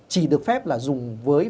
chỉ được phép là dùng với